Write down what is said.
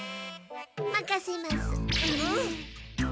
まかせます。